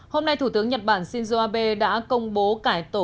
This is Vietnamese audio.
hôm nay thủ tướng nhật bản shinzo abe đã công bố cải tổ